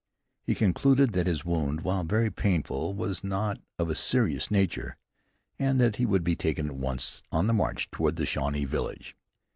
He concluded that his wound, while very painful, was not of a serious nature, and that he would be taken at once on the march toward the Shawnee village.